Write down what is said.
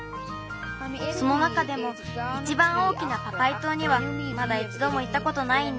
その中でもいちばん大きなパパイとうにはまだいちどもいったことないんだ。